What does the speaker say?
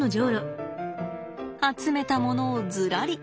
集めたものをずらり。